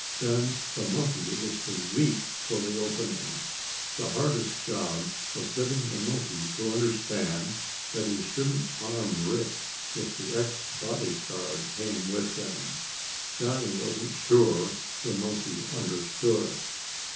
Then the monkey was to leap for the opening. The hardest job was getting the monkey to understand that he shouldn't harm Rick if the ex bodyguard came with them. Johnny wasn't sure the monkey understood.